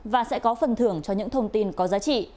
và sẽ có phần thưởng cho những thông tin có giá trị